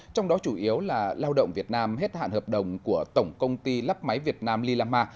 trong đó chủ yếu là lao động việt nam hết hạn hợp đồng của tổng công ty lắp máy việt nam lilama